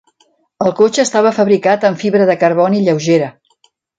El cotxe estava fabricat amb fibra de carboni lleugera.